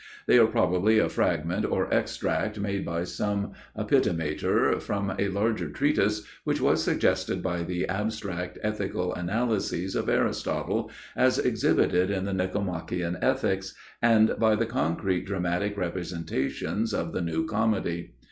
They are probably a fragment or extract made by some epitomator from a larger treatise which was suggested by the abstract ethical analyses of Aristotle, as exhibited in the Nicomachean Ethics, and by the concrete dramatic representations of the New Comedy.